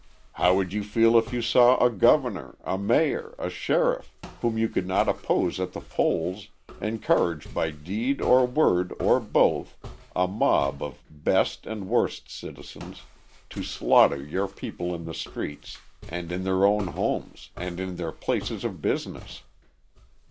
How would you feel if you saw a governor, a mayor, a sheriff, whom you could not oppose at the polls, encourage by deed or word or both, a mob of 'best' and worst citizens to slaughter your people in the streets and in their own homes and in their places of business?